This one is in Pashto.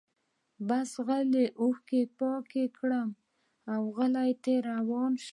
بس غلي اوښکي پاکي کړم اوغلی ترې روان شم